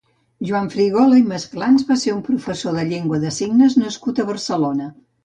Juan Frigola i Masclans va ser un professor de llengua de signes nascut a Barcelona.